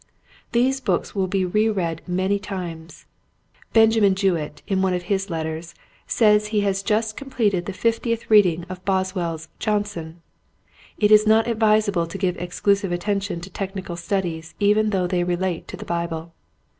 These books will be reread many times. Benjamin Jewett in one of his letters says he had just completed the fiftieth reading of Boswell's Johnson. It is not advisable to give exclusive attention to technical studies even though they relate to the Bible.